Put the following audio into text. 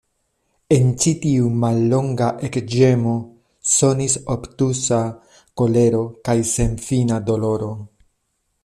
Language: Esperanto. En ĉi tiu mallonga ekĝemo sonis obtuza kolero kaj senfina doloro.